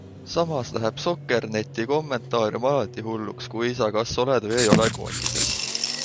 Samas läheb Soccerneti kommentaarium alati hulluks, kui sa kas oled või ei ole koondises.